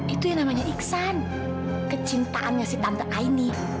itu yang namanya iksan kecintaannya si tante aini